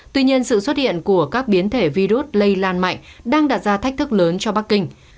tuy nhiên sự xuất hiện của các biến thể virus lây lan mạnh đang đặt ra thách thức lớn cho bắc kinh